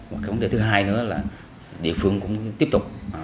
và cái vấn đề thứ hai nữa là địa phương cũng tiếp tục